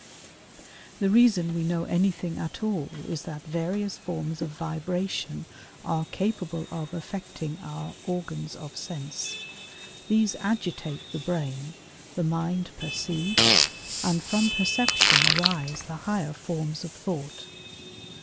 The reason we know anything at all is that various forms of vibration are capable of affecting our organs of sense. These agitate the brain, the mind perceives, and from perception arise the higher forms of thought.